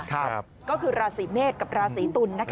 ก็คือราศีเมษกับราศีตุล